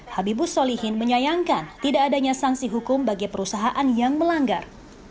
habibus solihin menyayangkan tidak adanya sanksi hukum bagi perusahaan yang melanggar